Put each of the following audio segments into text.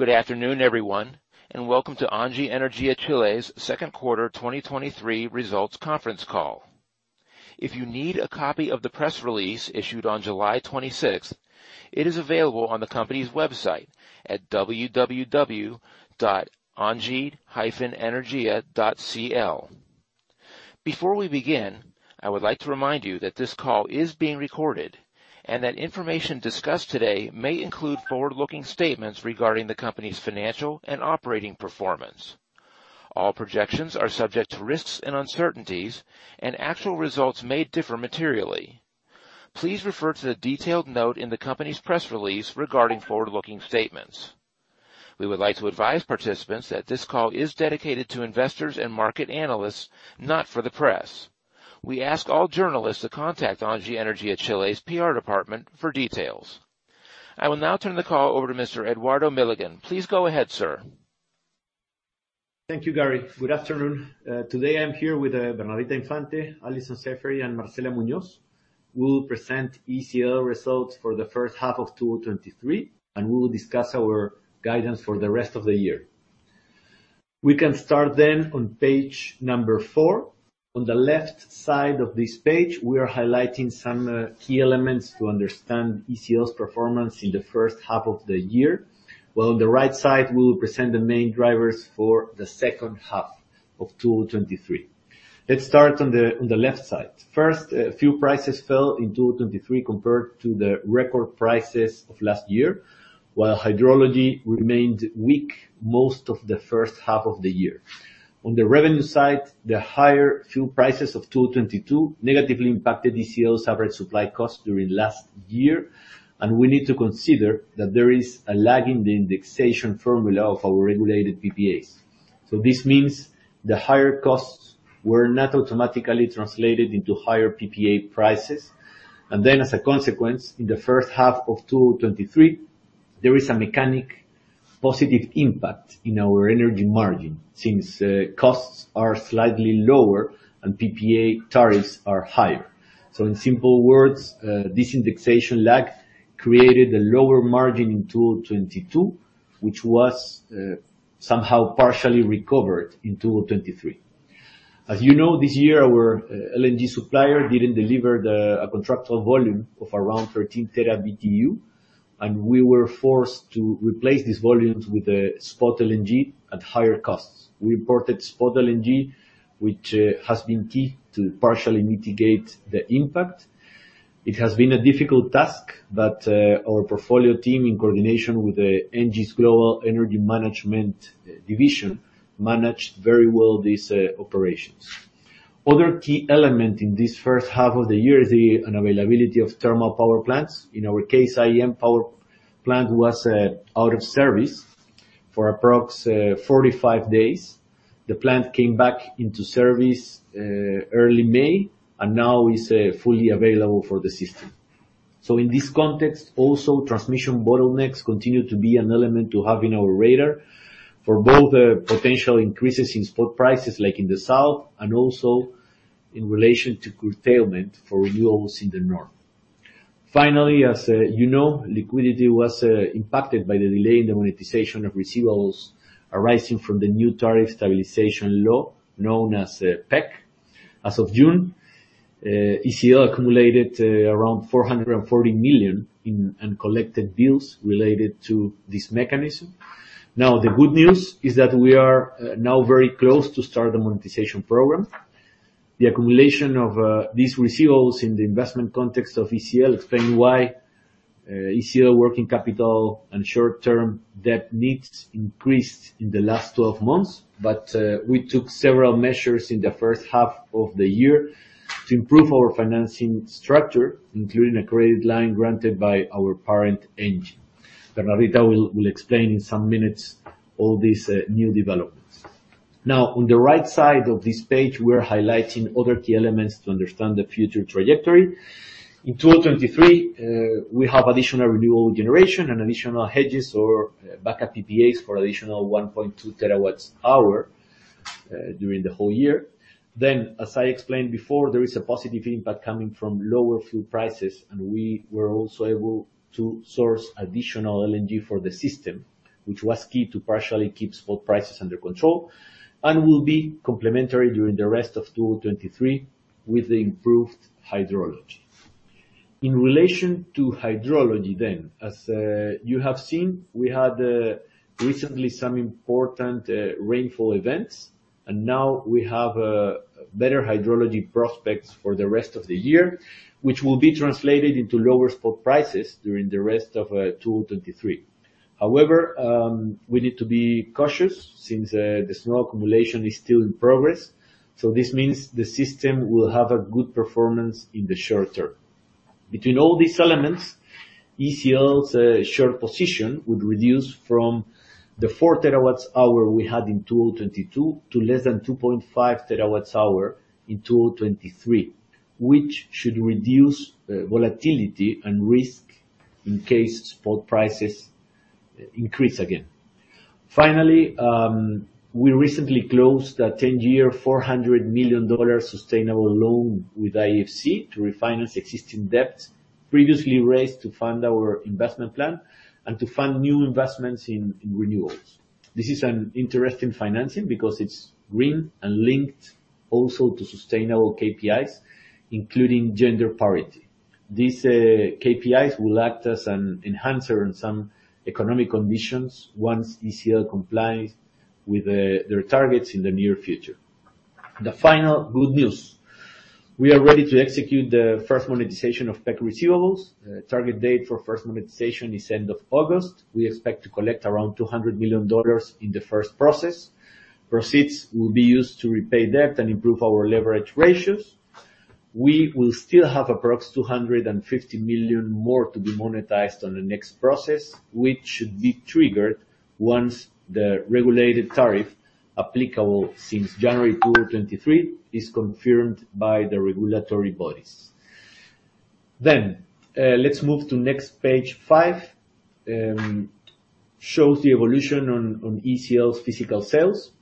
Good afternoon, everyone, and welcome to Engie Energia Chile's second quarter 2023 results conference call. If you need a copy of the press release issued on July 26th, it is available on the company's website at www.engie-energia.cl. Before we begin, I would like to remind you that this call is being recorded and that information discussed today may include forward-looking statements regarding the company's financial and operating performance. All projections are subject to risks and uncertainties, and actual results may differ materially. Please refer to the detailed note in the company's press release regarding forward-looking statements. We would like to advise participants that this call is dedicated to investors and market analysts, not for the press. We ask all journalists to contact Engie Energia Chile's P.R. department for details. I will now turn the call over to Mr. Eduardo Milligan. Please go ahead, sir. Thank you, Gary. Good afternoon. Today I'm here with Bernardita Infante, Alison Saffie, and Marcela Munoz, who will present ECL results for the first half of 2023. We will discuss our guidance for the rest of the year. We can start on page 4. On the left side of this page, we are highlighting some key elements to understand ECL's performance in the first half of the year, while on the right side, we will present the main drivers for the second half of 2023. Let's start on the left side. First, fuel prices fell in 2023 compared to the record prices of last year, while hydrology remained weak most of the first half of the year. On the revenue side, the higher fuel prices of 2022 negatively impacted ECL's average supply cost during last year. We need to consider that there is a lag in the indexation formula of our regulated PPAs. This means the higher costs were not automatically translated into higher PPA prices. As a consequence, in the first half of 2023, there is a mechanic positive impact in our energy margin since costs are slightly lower and PPA tariffs are higher. In simple words, this indexation lag created a lower margin in 2022, which was somehow partially recovered in 2023. As you know, this year, our LNG supplier didn't deliver a contractual volume of around 13 TBtu, and we were forced to replace these volumes with spot LNG at higher costs. We imported spot LNG, which has been key to partially mitigate the impact. It has been a difficult task, but our portfolio team, in coordination with the ENGIE Global Energy Management Division, managed very well this operations. Other key element in this first half of the year is the unavailability of thermal power plants. In our case, IEM Power Plant was out of service for approx 45 days. The plant came back into service early May, and now is fully available for the system. In this context, also, transmission bottlenecks continue to be an element to have in our radar for both potential increases in spot prices like in the south, and also in relation to curtailment for renewables in the north. Finally, as you know, liquidity was impacted by the delay in the monetization of receivables arising from the new Price Stabilization Law, known as PEC. As of June, ECL accumulated around $440 million in uncollected bills related to this mechanism. Now, the good news is that we are now very close to start the monetization program. The accumulation of these receivables in the investment context of ECL explain why ECL working capital and short-term debt needs increased in the last 12 months, but we took several measures in the first half of the year to improve our financing structure, including a credit line granted by our parent, ENGIE. Bernardita will explain in some minutes all these new developments. Now, on the right side of this page, we are highlighting other key elements to understand the future trajectory. In 2023, we have additional renewable generation and additional hedges or backup PPAs for additional 1.2 TWh during the whole year. As I explained before, there is a positive impact coming from lower fuel prices, and we were also able to source additional LNG for the system, which was key to partially keep spot prices under control and will be complementary during the rest of 2023 with the improved hydrology. In relation to hydrology then, as you have seen, we had recently some important rainfall events, and now we have better hydrology prospects for the rest of the year, which will be translated into lower spot prices during the rest of 2023. However, we need to be cautious since the snow accumulation is still in progress. This means the system will have a good performance in the short term. Between all these elements, ECL's short position would reduce from the 4 TWh we had in 2022 to less than 2.5 TWh in 2023, which should reduce volatility and risk in case spot prices increase again. Finally, we recently closed a 10-year, $400 million sustainable loan with IFC to refinance existing debts previously raised to fund our investment plan and to fund new investments in, in renewals. This is an interesting financing because it's green and linked also to sustainable KPIs, including gender parity. These KPIs will act as an enhancer in some economic conditions once ECL complies with their targets in the near future. The final good news: we are ready to execute the first monetization of PEC receivables. Target date for first monetization is end of August. We expect to collect around $200 million in the first process. Proceeds will be used to repay debt and improve our leverage ratios. We will still have approx $250 million more to be monetized on the next process, which should be triggered once the regulated tariff, applicable since January 2023, is confirmed by the regulatory bodies. Let's move to next, page 5, shows the evolution on ECL's physical sales.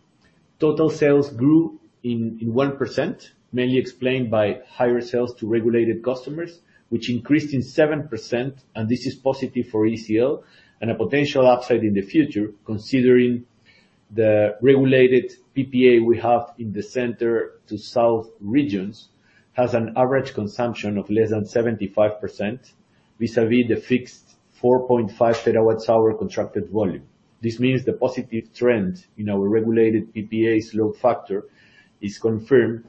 Total sales grew in 1%, mainly explained by higher sales to regulated customers, which increased in 7%. This is positive for ECL and a potential upside in the future, considering the regulated PPA we have in the center to south regions, has an average consumption of less than 75%, vis-a-vis the fixed 4.5 TWh contracted volume. This means the positive trend in our regulated PPA's load factor is confirmed.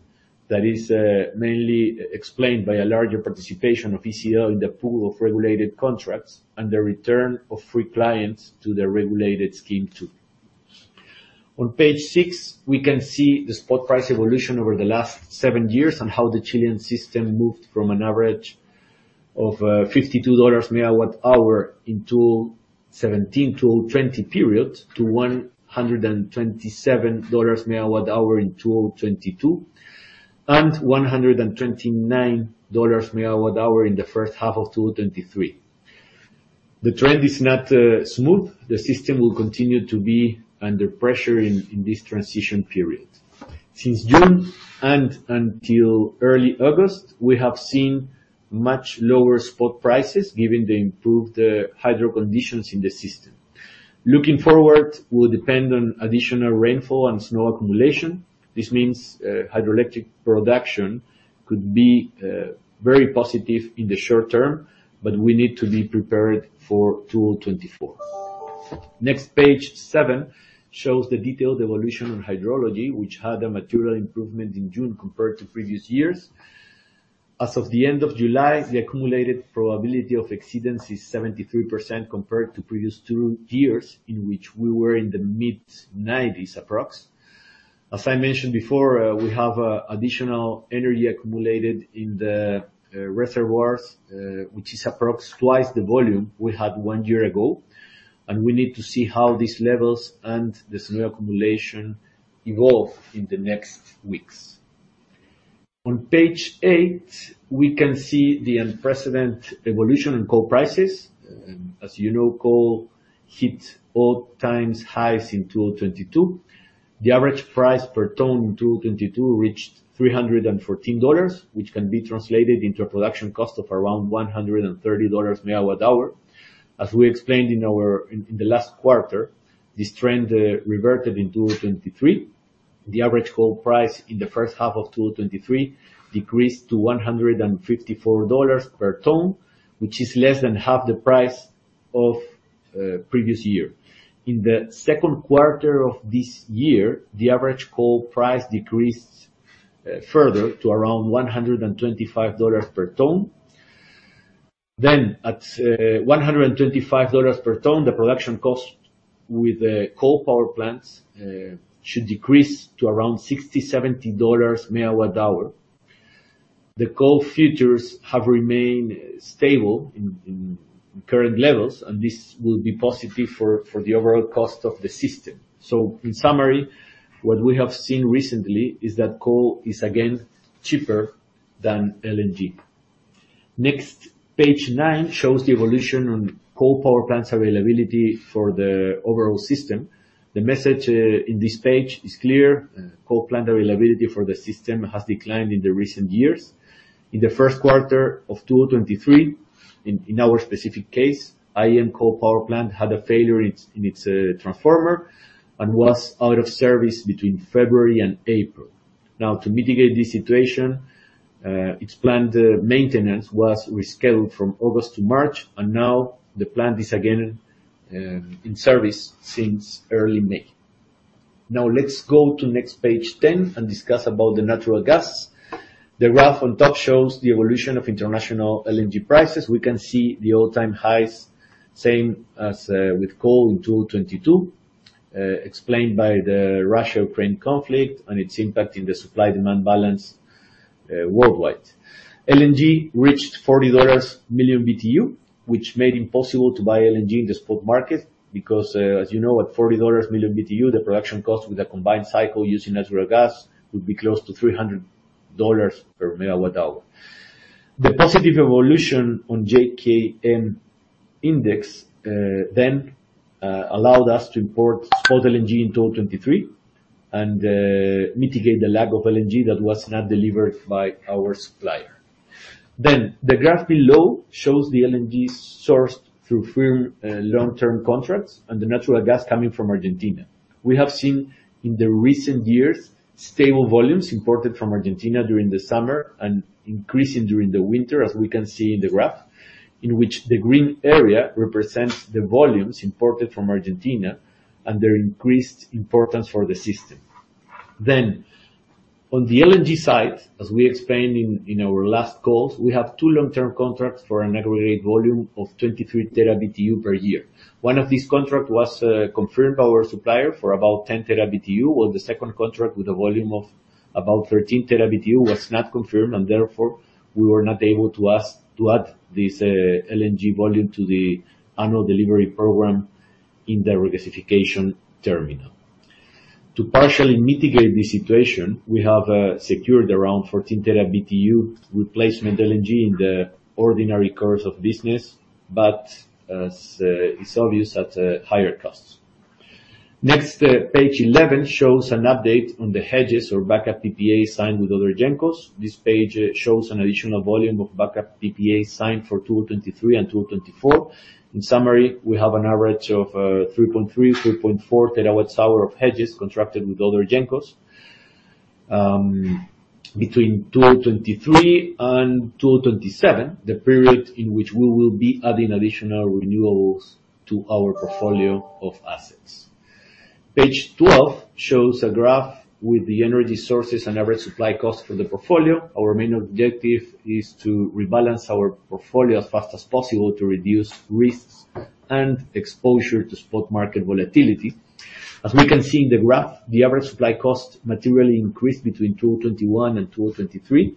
That is, mainly explained by a larger participation of ECL in the pool of regulated contracts and the return of free clients to the regulated scheme, too. On page 6, we can see the spot price evolution over the last 7 years, and how the Chilean system moved from an average of $52 MWh in 2017-2020 period, to $127 MWh in 2022, and $129 MWh in the first half of 2023. The trend is not smooth. The system will continue to be under pressure in this transition period. Since June and until early August, we have seen much lower spot prices, given the improved hydro conditions in the system. Looking forward, will depend on additional rainfall and snow accumulation. This means hydroelectric production could be very positive in the short term, but we need to be prepared for 2024. Next, page seven, shows the detailed evolution on hydrology, which had a material improvement in June compared to previous years. As of the end of July, the accumulated probability of exceedance is 73% compared to previous two years, in which we were in the mid-90s, approx. As I mentioned before, we have additional energy accumulated in the reservoirs, which is approx twice the volume we had one year ago, and we need to see how these levels and the snow accumulation evolve in the next weeks. On page eight, we can see the unprecedented evolution in coal prices. As you know, coal hit all-times highs in 2022. The average price per ton in 2022 reached $314, which can be translated into a production cost of around $130 MWh. As we explained in our. In the last quarter, this trend reverted in 2023. The average coal price in the first half of 2023 decreased to $154 per ton, which is less than half the price of previous year. In the second quarter of this year, the average coal price decreased further to around $125 per ton. At $125 per ton, the production cost with coal power plants should decrease to around $60-$70 MWh. The coal futures have remained stable in current levels, and this will be positive for the overall cost of the system. In summary, what we have seen recently is that coal is again cheaper than LNG. Page 9 shows the evolution on coal power plants availability for the overall system. The message in this page is clear. Coal plant availability for the system has declined in the recent years. In the first quarter of 2023, in our specific case, IEM coal power plant had a failure in its transformer and was out of service between February and April. To mitigate this situation, its planned maintenance was rescheduled from August to March, and now the plant is again in service since early May. Let's go to next page 10, and discuss about the natural gas. The graph on top shows the evolution of international LNG prices. We can see the all-time highs, same as with coal in 2022, explained by the Russia-Ukraine conflict and its impact in the supply-demand balance worldwide. LNG reached $40 million BTU, which made it impossible to buy LNG in the spot market, because, as you know, at $40 million BTU, the production cost with a combined cycle using natural gas would be close to $300 per MWh The positive evolution on JKM index allowed us to import spot LNG in 2023, and mitigate the lack of LNG that was not delivered by our supplier. The graph below shows the LNG sourced through firm long-term contracts and the natural gas coming from Argentina. We have seen in the recent years, stable volumes imported from Argentina during the summer, and increasing during the winter, as we can see in the graph, in which the green area represents the volumes imported from Argentina and their increased importance for the system. On the LNG side, as we explained in our last calls, we have two long-term contracts for an aggregate volume of 23 TBtu per year. One of these contract was confirmed by our supplier for about 10 TBtu, while the second contract with a volume of about 13 TBtu was not confirmed, and therefore, we were not able to ask to add this LNG volume to the annual delivery program in the regasification terminal. To partially mitigate this situation, we have secured around 14 TBtu replacement LNG in the ordinary course of business, but as it's obvious, at higher costs. Page 11 shows an update on the hedges or backup PPAs signed with other gencos. This page shows an additional volume of backup PPAs signed for 2023 and 2024. In summary, we have an average of, 3.3TWh, 3.4 TWh of hedges contracted with other gencos, between 2023 and 2027, the period in which we will be adding additional renewables to our portfolio of assets. Page 12 shows a graph with the energy sources and average supply costs for the portfolio. Our main objective is to rebalance our portfolio as fast as possible to reduce risks and exposure to spot market volatility. As we can see in the graph, the average supply cost materially increased between 2021 and 2023.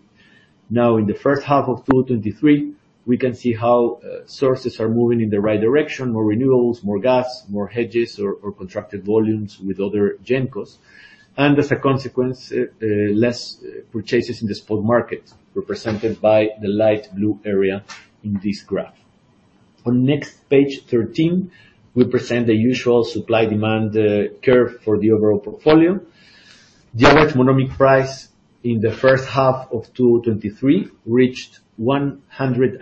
In the first half of 2023, we can see how sources are moving in the right direction, more renewables, more gas, more hedges or, or contracted volumes with other gencos, and as a consequence, less purchases in the spot market, represented by the light blue area in this graph. On next, page 13, we present the usual supply-demand curve for the overall portfolio. The average monomic price in the first half of 2023 reached $182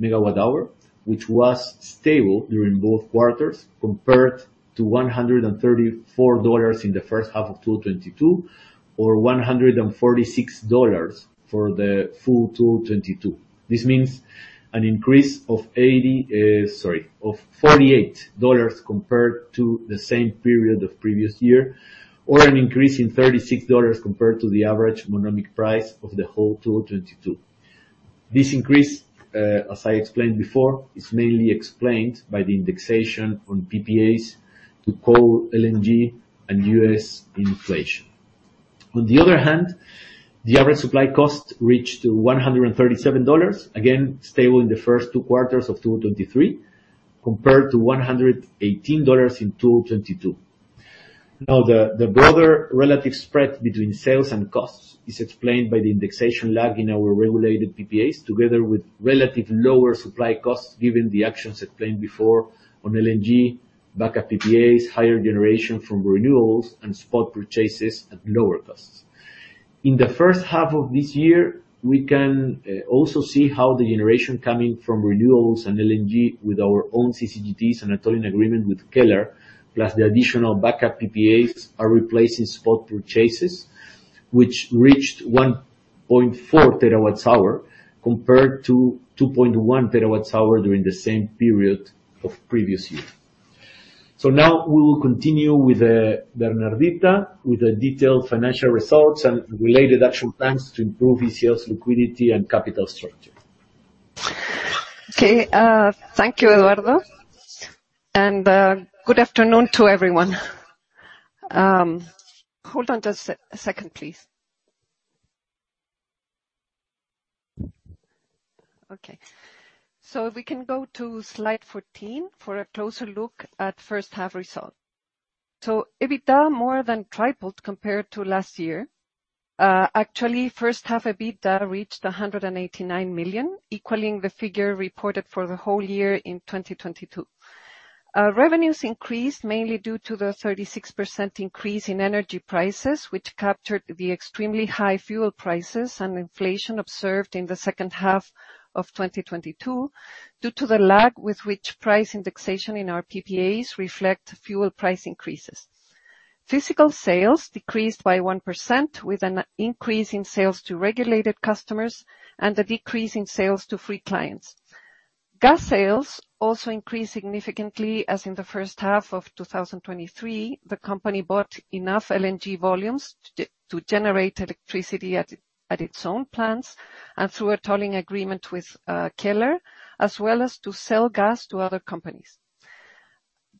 MWh, which was stable during both quarters, compared to $134 in the first half of 2022, or $146 for the full 2022. This means an increase of $48. Sorry, of $48 compared to the same period of previous year, or an increase in $36 compared to the average monomic price of the whole 2022. This increase, as I explained before, is mainly explained by the indexation on PPAs to coal, LNG, and U.S. inflation. On the other hand, the average supply cost reached $137, again, stable in the first 2 quarters of 2023, compared to $118 in 2022. The broader relative spread between sales and costs is explained by the indexation lag in our regulated PPAs, together with relative lower supply costs, given the actions explained before on LNG, backup PPAs, higher generation from renewables, and spot purchases at lower costs. In the first half of this year, we can also see how the generation coming from renewables and LNG with our own CCGTs and a tolling agreement with Kelar, plus the additional backup PPAs, are replacing spot purchases, which reached 1.4 TWh, compared to 2.1 TWh during the same period of previous year. Now, we will continue with Bernardita, with the detailed financial results and related action plans to improve ENGIE Energia Chile's liquidity and capital structure. Okay, thank you, Eduardo, and good afternoon to everyone. Hold on just a second, please. Okay. If we can go to slide 14 for a closer look at first half results. EBITDA more than tripled compared to last year. Actually, first half, EBITDA reached $189 million, equaling the figure reported for the whole year in 2022. Revenues increased mainly due to the 36% increase in energy prices, which captured the extremely high fuel prices and inflation observed in the second half of 2022, due to the lag with which price indexation in our PPAs reflect fuel price increases. Physical sales decreased by 1%, with an increase in sales to regulated customers and a decrease in sales to free clients. Gas sales also increased significantly, as in the first half of 2023, the company bought enough LNG volumes to generate electricity at its own plants, and through a tolling agreement with Kelar, as well as to sell gas to other companies.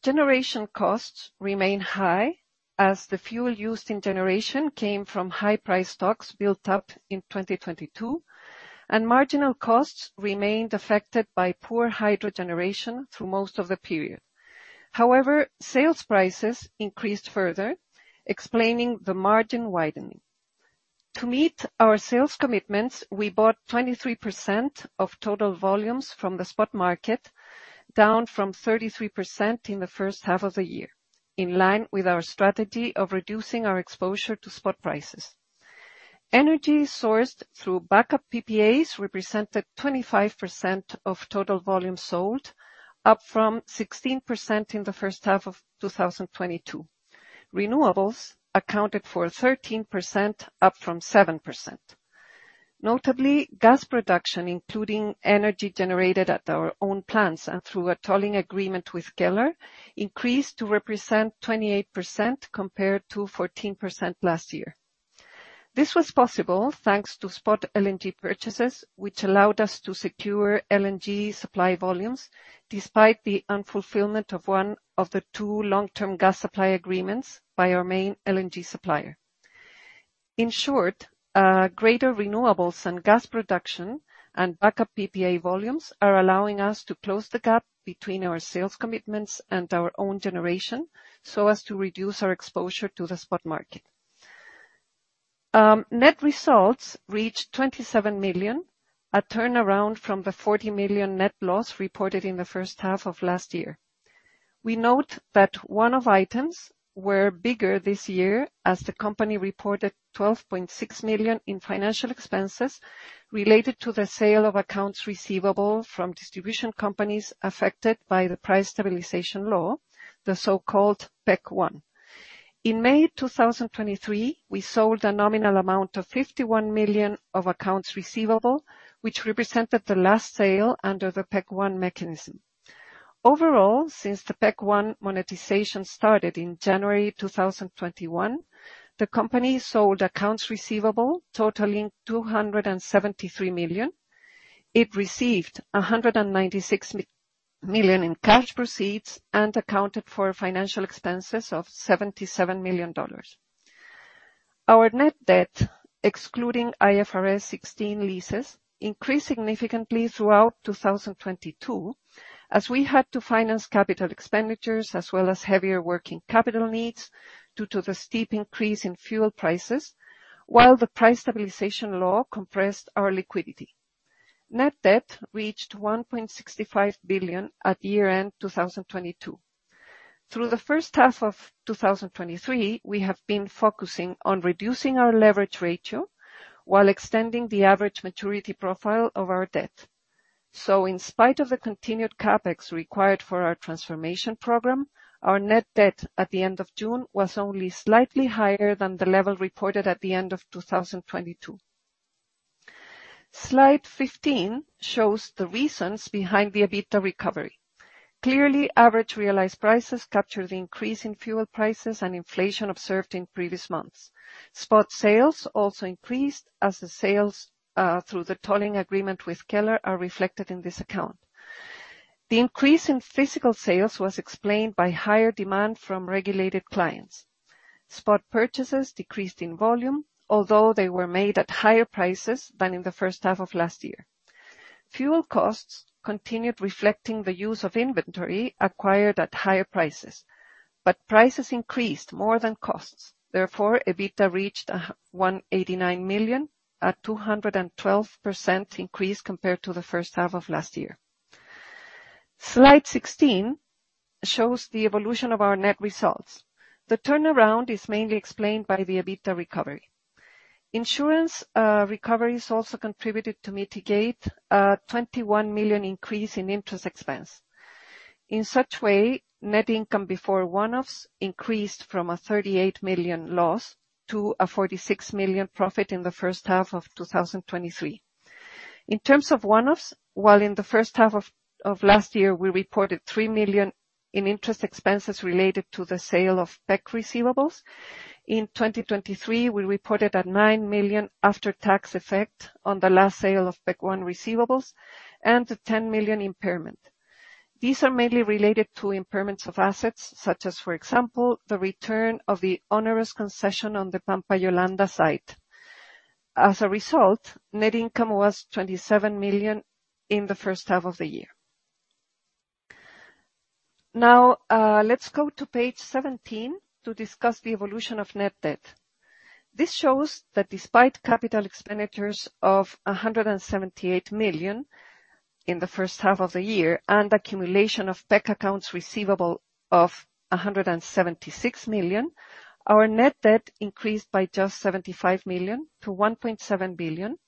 Generation costs remain high, as the fuel used in generation came from high price stocks built up in 2022, and marginal costs remained affected by poor hydro generation through most of the period. However, sales prices increased further, explaining the margin widening. To meet our sales commitments, we bought 23% of total volumes from the spot market, down from 33% in the first half of the year, in line with our strategy of reducing our exposure to spot prices. Energy sourced through backup PPAs represented 25% of total volume sold, up from 16% in the first half of 2022. Renewables accounted for 13%, up from 7%. Notably, gas production, including energy generated at our own plants and through a tolling agreement with Kelar, increased to represent 28%, compared to 14% last year. This was possible thanks to spot LNG purchases, which allowed us to secure LNG supply volumes, despite the unfulfillment of one of the two long-term gas supply agreements by our main LNG supplier. In short, greater renewables and gas production and backup PPA volumes are allowing us to close the gap between our sales commitments and our own generation, so as to reduce our exposure to the spot market. Net results reached $27 million, a turnaround from the $40 million net loss reported in the first half of last year. We note that one-off items were bigger this year, as the company reported $12.6 million in financial expenses related to the sale of accounts receivable from distribution companies affected by the Price Stabilization Law, the so-called PEC 1. In May 2023, we sold a nominal amount of $51 million of accounts receivable, which represented the last sale under the PEC 1 mechanism. Overall, since the PEC 1 monetization started in January 2021, the company sold accounts receivable totaling $273 million. It received $196 million in cash proceeds and accounted for financial expenses of $77 million. Our net debt, excluding IFRS 16 leases, increased significantly throughout 2022, as we had to finance CapEx as well as heavier working capital needs due to the steep increase in fuel prices, while the Price Stabilization Law compressed our liquidity. Net debt reached $1.65 billion at year-end 2022. Through the first half of 2023, we have been focusing on reducing our leverage ratio while extending the average maturity profile of our debt. In spite of the continued CapEx required for our transformation program, our net debt at the end of June was only slightly higher than the level reported at the end of 2022. Slide 15 shows the reasons behind the EBITDA recovery. Clearly, average realized prices captured the increase in fuel prices and inflation observed in previous months. Spot sales also increased as the sales through the tolling agreement with Kelar are reflected in this account. The increase in physical sales was explained by higher demand from regulated clients. Spot purchases decreased in volume, although they were made at higher prices than in the first half of last year. Fuel costs continued reflecting the use of inventory acquired at higher prices, prices increased more than costs. EBITDA reached $189 million, a 212% increase compared to the first half of last year. Slide 16 shows the evolution of our net results. The turnaround is mainly explained by the EBITDA recovery. Insurance recoveries also contributed to mitigate a $21 million increase in interest expense. In such way, net income before one-offs increased from a $38 million loss to a $46 million profit in the first half of 2023. In terms of one-offs, while in the first half of last year, we reported $3 million in interest expenses related to the sale of PEC receivables. In 2023, we reported a $9 million after-tax effect on the last sale of PEC 1 receivables and a $10 million impairment. These are mainly related to impairments of assets, such as, for example, the return of the onerous concession on the Pampa Yolanda site. As a result, net income was $27 million in the first half of the year. Now, let's go to page 17 to discuss the evolution of net debt. This shows that despite capital expenditures of $178 million in the first half of the year, and accumulation of PEC accounts receivable of $176 million, our net debt increased by just $75 million-$1.7 billion,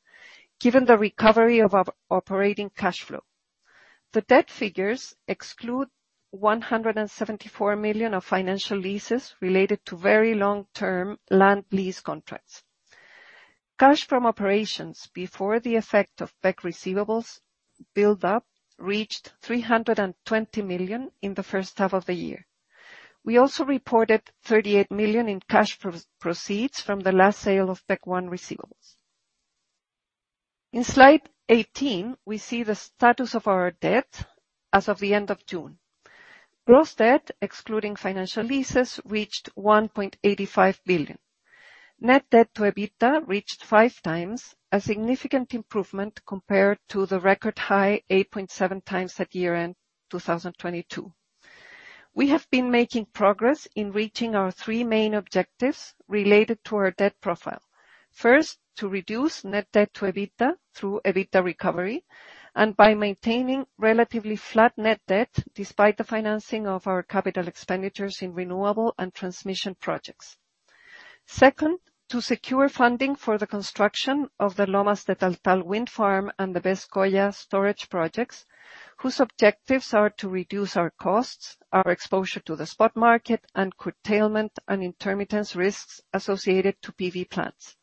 given the recovery of our operating cash flow. The debt figures exclude $174 million of financial leases related to very long-term land lease contracts. Cash from operations before the effect of PEC receivables build-up, reached $320 million in the first half of the year. We also reported $38 million in cash proceeds from the last sale of PEC 1 receivables. In slide 18, we see the status of our debt as of the end of June. Gross debt, excluding financial leases, reached $1.85 billion. Net debt to EBITDA reached 5 times, a significant improvement compared to the record high 8.7 times at year-end 2022. We have been making progress in reaching our 3 main objectives related to our debt profile. First, to reduce net debt to EBITDA through EBITDA recovery, and by maintaining relatively flat net debt, despite the financing of our capital expenditures in renewable and transmission projects. Second, to secure funding for the construction of the Lomas de Taltal wind farm and the BESS Coya storage projects, whose objectives are to reduce our costs, our exposure to the spot market, and curtailment and intermittence risks associated to PV plants.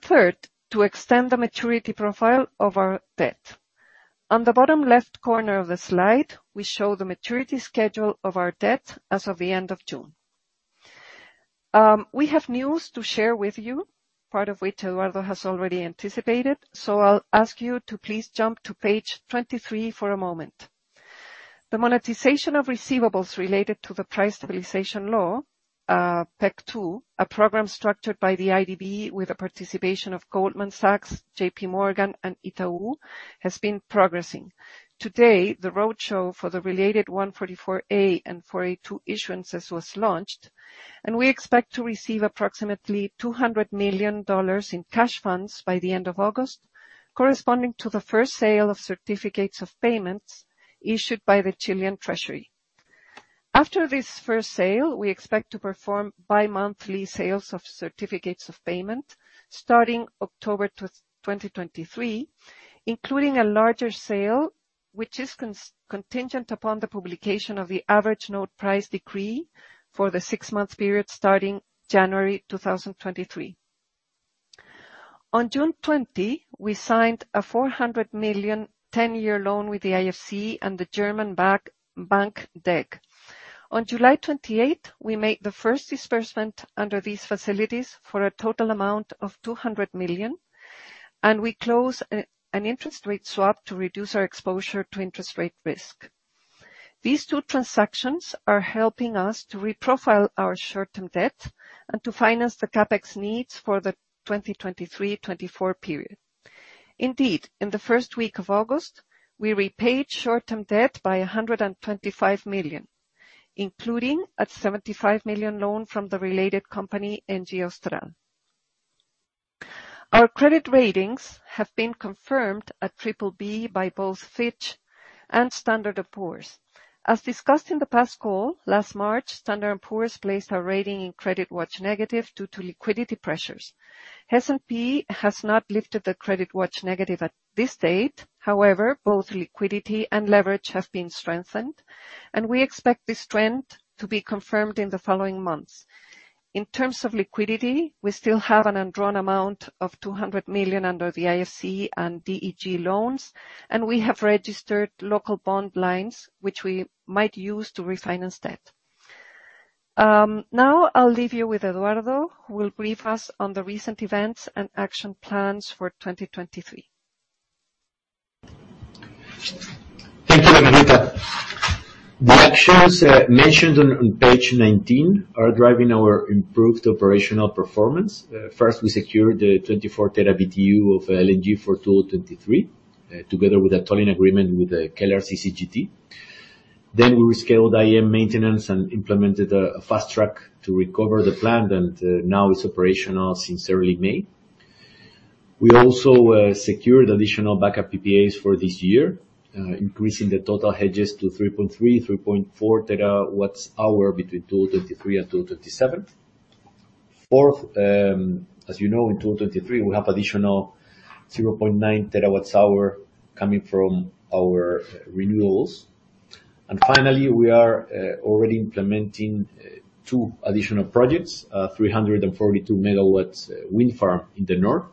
Third, to extend the maturity profile of our debt. On the bottom left corner of the slide, we show the maturity schedule of our debt as of the end of June. We have news to share with you, part of which Eduardo has already anticipated, I'll ask you to please jump to page 23 for a moment. The monetization of receivables related to the Price Stabilization Law, PEC II, a program structured by the IDB with the participation of Goldman Sachs, JP Morgan, and, has been progressing. Today, the roadshow for the related 144A and 42 issuances was launched, we expect to receive approximately $200 million in cash funds by the end of August, corresponding to the first sale of certificates of payments issued by the Chilean Treasury. After this first sale, we expect to perform bimonthly sales of certificates of payment, starting October 2023, including a larger sale, which is contingent upon the publication of the average node price decree for the six-month period starting January 2023. On June 20, we signed a $400 million, 10-year loan with the IFC and the German bank DEG. On July 28, we made the first disbursement under these facilities for a total amount of $200 million, and we closed an interest rate swap to reduce our exposure to interest rate risk. These two transactions are helping us to reprofile our short-term debt and to finance the CapEx needs for the 2023, 2024 period. Indeed, in the first week of August, we repaid short-term debt by $125 million, including a $75 million loan from the related company, ENGIE Austral. Our credit ratings have been confirmed at BBB by both Fitch and Standard & Poor's. As discussed in the past call, last March, Standard & Poor's placed a rating in CreditWatch Negative due to liquidity pressures. S&P has not lifted the CreditWatch Negative at this date. However, both liquidity and leverage have been strengthened, and we expect this trend to be confirmed in the following months. In terms of liquidity, we still have an undrawn amount of $200 million under the IFC and DEG loans, and we have registered local bond lines, which we might use to refinance debt. Now I'll leave you with Eduardo, who will brief us on the recent events and action plans for 2023. Thank you, Bernardita. The actions mentioned on page 19 are driving our improved operational performance. First, we secured the 24 TBtu of LNG for 2023 together with a tolling agreement with the Kelar CCGT. We rescaled IEM maintenance and implemented a fast track to recover the plant, and now it's operational since early May. We also secured additional backup PPAs for this year, increasing the total hedges to 3.3 TWh-3.4 TWh between 2023 and 2027. Fourth, as you know, in 2023, we have additional 0.9 TWh coming from our renewables. Finally, we are already implementing two additional projects, 342 MW wind farm in the north,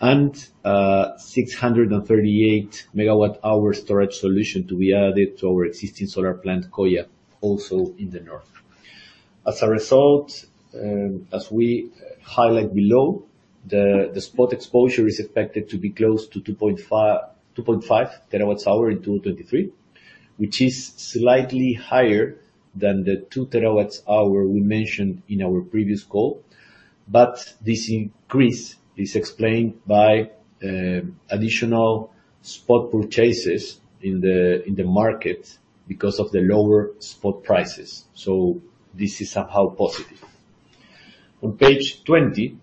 and 638 MWh storage solution to be added to our existing solar plant, Coya, also in the north. As a result, as we highlight below, the spot exposure is expected to be close to 2.5 TWh in 2023, which is slightly higher than the 2 TWh we mentioned in our previous call. This increase is explained by additional spot purchases in the market because of the lower spot prices. This is somehow positive. On page 20,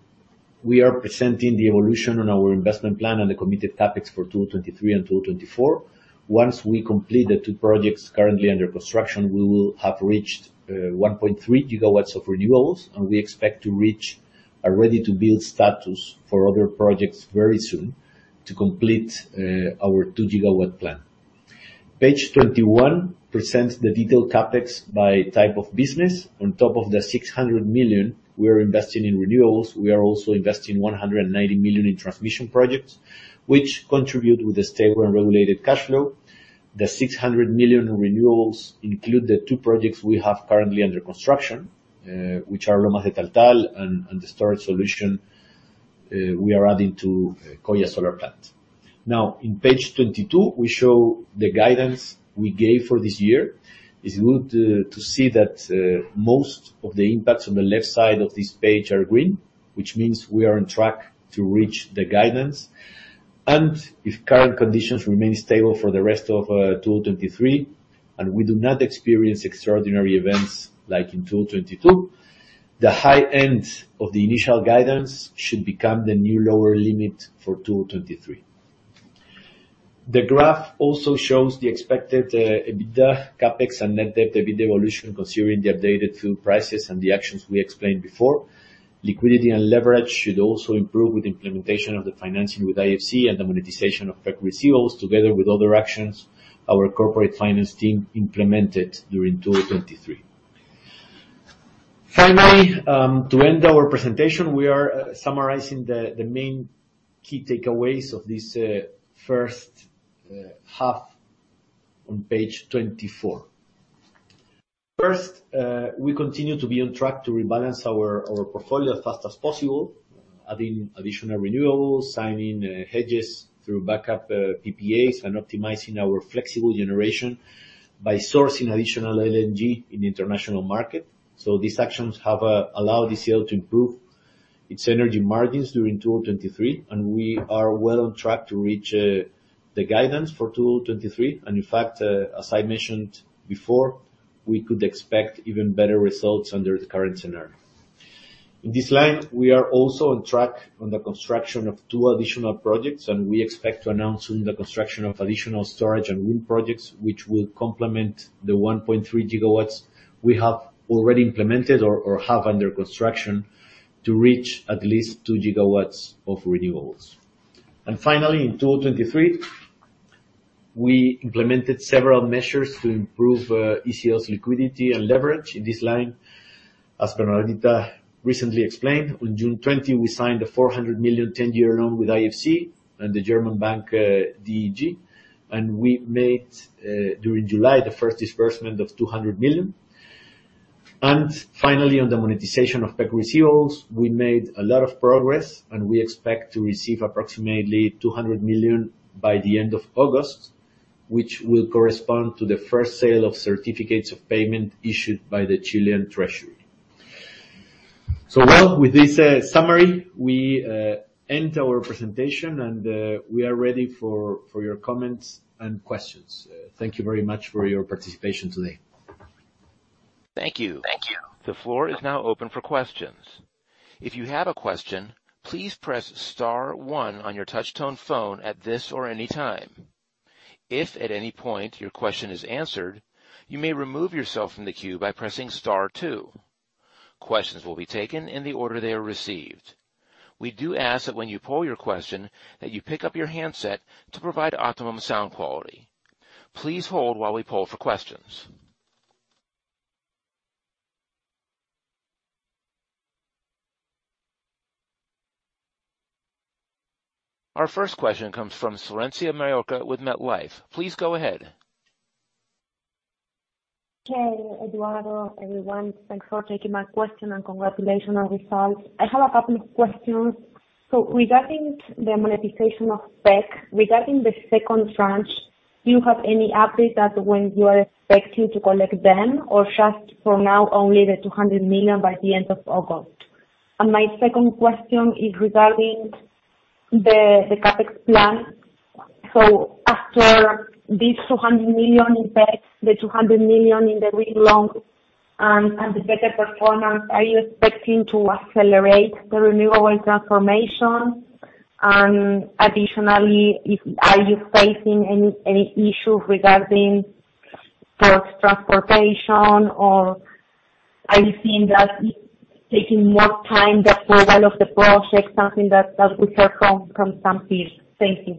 we are presenting the evolution on our investment plan and the committed CapEx for 2023 and 2024. Once we complete the 2 projects currently under construction, we will have reached 1.3 GW of renewables, and we expect to reach a ready-to-build status for other projects very soon to complete our 2 GW plan. Page 21 presents the detailed CapEx by type of business. On top of the $600 million, we are investing in renewables, we are also investing $190 million in transmission projects, which contribute with the stable and regulated cash flow. The $600 million renewables include the 2 projects we have currently under construction, which are Lomas de Taltal and the storage solution we are adding to Coya Solar Plant. Now, in page 22, we show the guidance we gave for this year. It's good to, to see that most of the impacts on the left side of this page are green, which means we are on track to reach the guidance. If current conditions remain stable for the rest of 2023, and we do not experience extraordinary events like in 2022, the high end of the initial guidance should become the new lower limit for 2023. The graph also shows the expected EBITDA, CapEx, and net debt EBITDA evolution, considering the updated fuel prices and the actions we explained before. Liquidity and leverage should also improve with implementation of the financing with IFC and the monetization of PEC receivables, together with other actions our corporate finance team implemented during 2023. Finally, to end our presentation, we are summarizing the main key takeaways of this first half on page 24. First, we continue to be on track to rebalance our, our portfolio as fast as possible, adding additional renewables, signing hedges through backup PPAs, and optimizing our flexible generation by sourcing additional LNG in the international market. These actions have allowed ECL to improve its energy margins during 2023, and we are well on track to reach the guidance for 2023. In fact, as I mentioned before, we could expect even better results under the current scenario. In this line, we are also on track on the construction of 2 additional projects, and we expect to announce soon the construction of additional storage and wind projects, which will complement the 1.3 GW we have already implemented or, or have under construction, to reach at least 2 GW of renewables. Finally, in 2023, we implemented several measures to improve ECL's liquidity and leverage. In this line, as Bernardita recently explained, on June 20, we signed a $400 million 10-year loan with IFC and the German bank DEG, and we made, during July, the first disbursement of $200 million. And finally, on the monetization of PEC receivables, we made a lot of progress, and we expect to receive approximately $200 million by the end of August, which will correspond to the first sale of certificates of payment issued by the Chilean Treasury. Well, with this summary, we end our presentation, and we are ready for your comments and questions. Thank you very much for your participation today. Thank you. Thank you. The floor is now open for questions. If you have a question, please press star one on your touch tone phone at this or any time. If at any point your question is answered, you may remove yourself from the queue by pressing star two. Questions will be taken in the order they are received. We do ask that when you pose your question, that you pick up your handset to provide optimum sound quality. Please hold while we poll for questions. Our first question comes from Florencia Maiorca with MetLife. Please go ahead. Hey, Eduardo, everyone. Thanks for taking my question, congratulations on the results. I have a couple of questions. Regarding the monetization of PEC, regarding the second tranche, do you have any update as when you are expecting to collect them, or just for now, only the $200 million by the end of August? My second question is regarding the CapEx plan. After this $200 million in PEC, the $200 million in the wind farm, and the better performance, are you expecting to accelerate the renewable transformation? Additionally, are you facing any issues regarding cross-transportation, or are you seeing that it's taking more time than the value of the project, something that we heard from some peers? Thank you.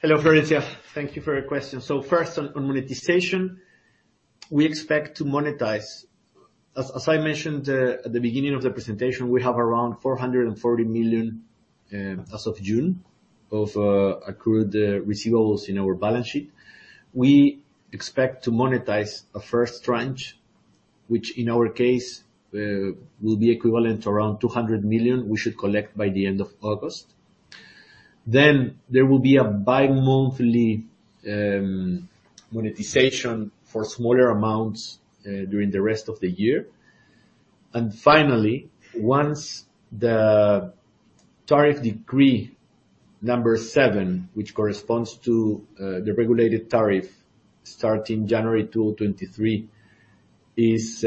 Hello, Florencia. Thank you for your question. First, on, on monetization, we expect to monetize. As, as I mentioned, at the beginning of the presentation, we have around $440 million as of June, of accrued receivables in our balance sheet. We expect to monetize a first tranche, which in our case, will be equivalent to around $200 million. We should collect by the end of August. There will be a bi-monthly monetization for smaller amounts during the rest of the year. Finally, once the tariff decree number seven, which corresponds to the regulated tariff starting January 2023, is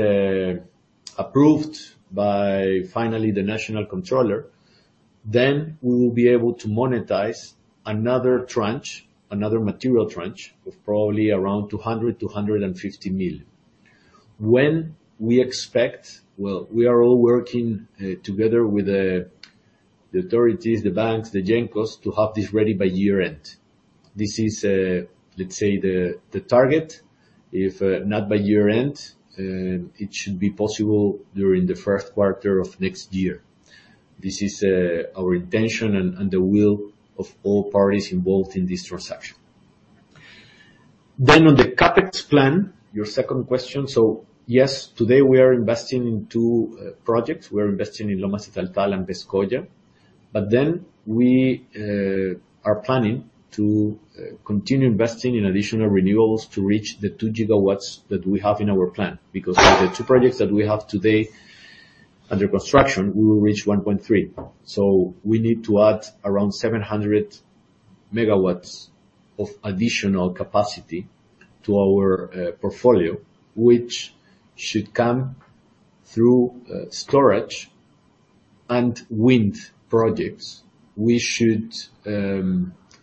approved by, finally, the national controller, then we will be able to monetize another tranche, another material tranche, of probably around $200 million-$250 million. When we expect? We are all working together with the authorities, the banks, the gencos, to have this ready by year-end. This is the target. If not by year-end, it should be possible during the first quarter of next year. This is our intention and the will of all parties involved in this transaction. On the CapEx plan, your second question: Yes, today we are investing in 2 projects. We are investing in Lomas de Taltal and Pesqueira. We are planning to continue investing in additional renewables to reach the 2 GW that we have in our plan. Because the 2 projects that we have today under construction, we will reach 1.3 GW. We need to add around 700 MW of additional capacity to our portfolio, which should come through storage and wind projects. We should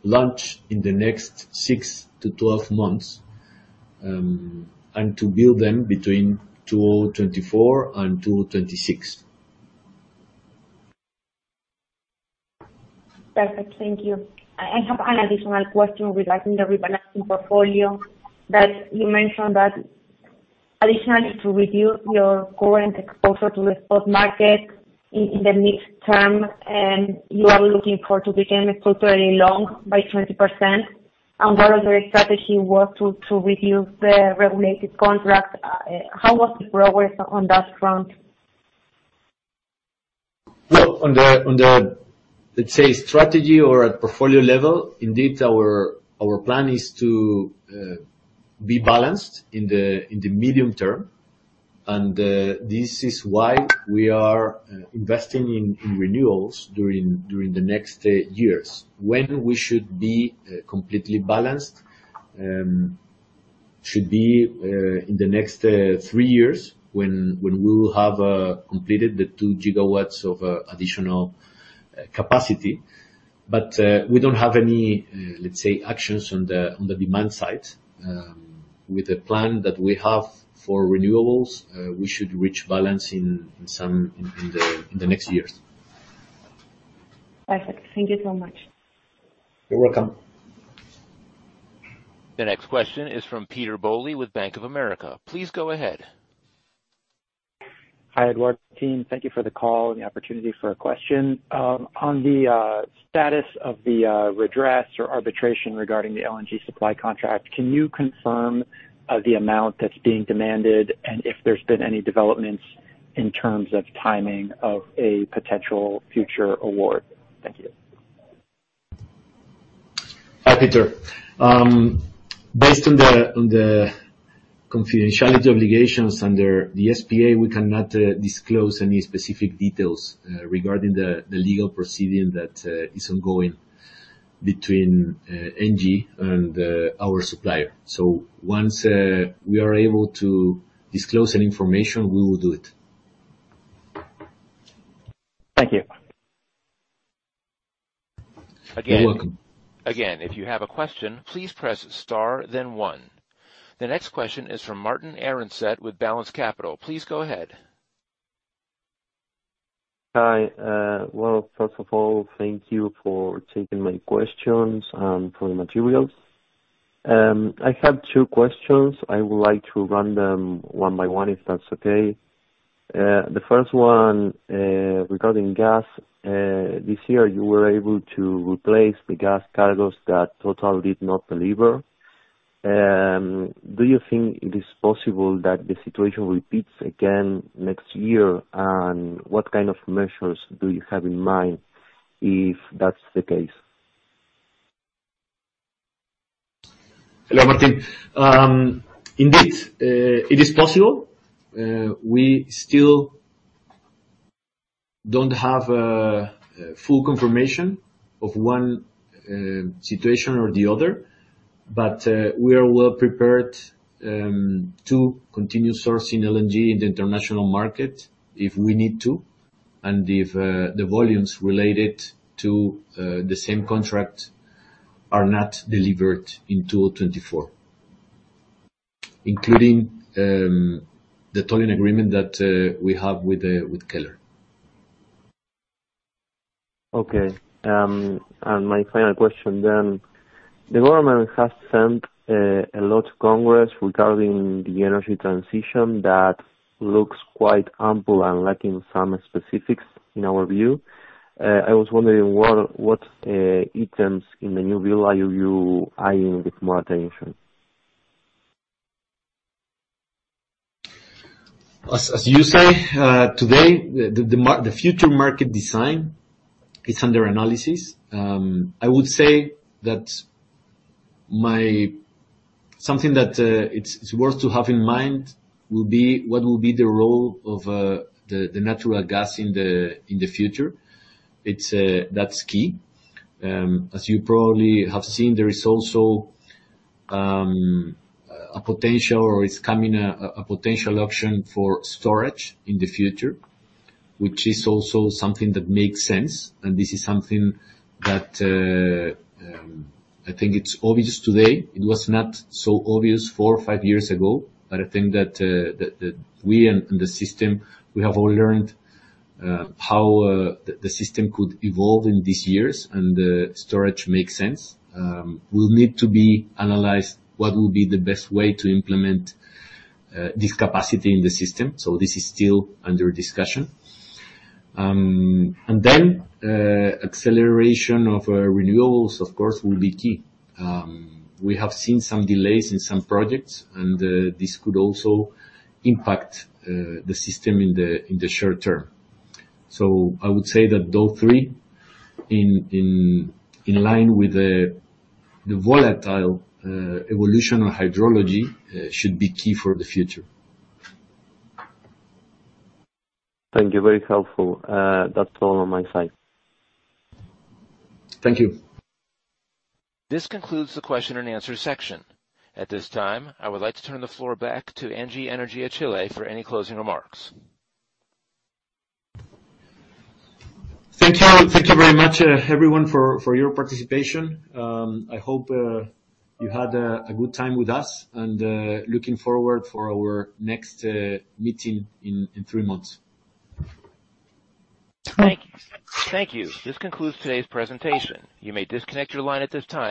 launch in the next 6 months-12 months and to build them between 2024 and 2026. Perfect. Thank you. I have an additional question regarding the rebalancing portfolio, that you mentioned that additionally, to reduce your current exposure to the spot market in the near term, and you are looking for to become culturally long by 20%, and part of your strategy was to reduce the regulated contract. How was the progress on that front? Well, on the, on the, let's say, strategy or at portfolio level, indeed, our, our plan is to be balanced in the, in the medium term. This is why we are investing in, in renewables during, during the next years. When we should be completely balanced, should be in the next 3 years, when, when we will have completed the 2 GW of additional capacity. We don't have any, let's say, actions on the, on the demand side. With the plan that we have for renewables, we should reach balance in, in some, in, in the, in the next years. Perfect. Thank you so much. You're welcome. The next question is from Peter Boley, with Bank of America. Please go ahead. Hi, Edward team. Thank you for the call and the opportunity for a question. On the status of the redress or arbitration regarding the LNG supply contract, can you confirm the amount that's being demanded, and if there's been any developments in terms of timing of a potential future award? Thank you. Hi, Peter. Based on the confidentiality obligations under the SPA, we cannot disclose any specific details regarding the legal proceeding that is ongoing between ENGIE and our supplier. Once we are able to disclose any information, we will do it. Thank you. Again. You're welcome. Again, if you have a question, please press star then one. The next question is from Martín Arancet with Balanz Capital. Please go ahead. Hi. Well, first of all, thank you for taking my questions and for the materials. I have two questions. I would like to run them one by one, if that's okay. The first one, regarding gas. This year, you were able to replace the gas cargos that TotalEnergies did not deliver. Do you think it is possible that the situation repeats again next year, and what kind of measures do you have in mind, if that's the case? Hello, Martin. Indeed, it is possible. We still don't have full confirmation of one situation or the other, but we are well prepared to continue sourcing LNG in the international market, if we need to, and if the volumes related to the same contract are not delivered in 2024, including the tolling agreement that we have with with Kelar. Okay. My final question then, the government has sent, a lot to Congress regarding the energy transition that looks quite ample and lacking some specifics, in our view. I was wondering, what, what, items in the new bill are you eyeing with more attention? As, as you say, today, the future market design is under analysis. I would say that my... Something that, it's worth to have in mind, will be, what will be the role of the natural gas in the future? It's, that's key. As you probably have seen, there is also, a potential or is coming, a potential option for storage in the future, which is also something that makes sense. This is something that, I think it's obvious today. It was not so obvious 4 years or 5 years ago, but I think that we and the system, we have all learned, how, the system could evolve in these years, and, storage makes sense. Will need to be analyzed, what will be the best way to implement this capacity in the system. This is still under discussion. Acceleration of renewables, of course, will be key. We have seen some delays in some projects, this could also impact the system in the short term. I would say that those three, in, in, in line with the volatile evolution of hydrology, should be key for the future. Thank you. Very helpful. That's all on my side. Thank you. This concludes the question and answer section. At this time, I would like to turn the floor back to ENGIE Energia Chile, for any closing remarks. Thank you. Thank you very much, everyone, for, for your participation. I hope, you had a, a good time with us, and, looking forward for our next, meeting in, three months. Thank you. Thank you. This concludes today's presentation. You may disconnect your line at this time.